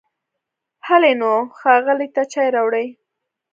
هلی نو، ښاغلي ته چای راوړئ!